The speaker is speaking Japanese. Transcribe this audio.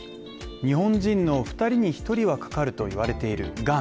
日本人の２人に１人はかかると言われているがん